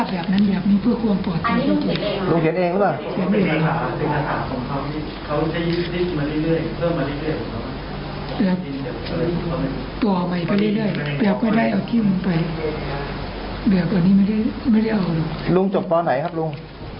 แบบตอนนี้ไม่ได้ไม่ได้เอาลงลงจบตองไหนครับลุง